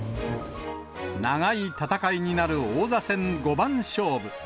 長い戦いになる王座戦五番勝負。